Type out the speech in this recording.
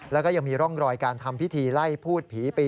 แล้วก็ยังมีร่องรอยการทำพิธีไล่พูดผีปี